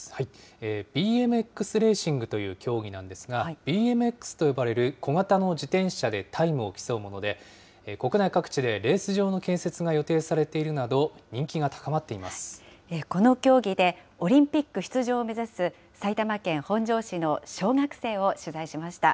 ＢＭＸレーシングという競技なんですが、ＢＭＸと呼ばれる小型の自転車でタイムを競うもので、国内各地でレース場の建設が予定されているなど、人気が高まってこの競技で、オリンピック出場を目指す、埼玉県本庄市の小学生を取材しました。